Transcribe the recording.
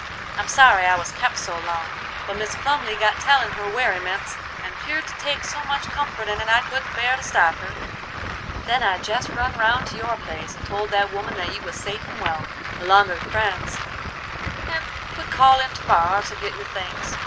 I'm sorry I was kep' so long, but Mis Plumly got tellin' her werryments, and 'peared to take so much comfort in it I couldn't bear to stop her. Then I jest run round to your place and told that woman that you was safe and well, along'r friends, and would call in to morrer to get your things.